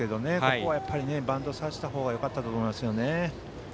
ここはバントさせた方がよかったと思いますね。